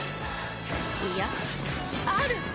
いやある！